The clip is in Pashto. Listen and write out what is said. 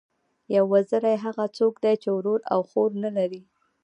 یو وزری، هغه څوک دئ، چي ورور او خور نه لري.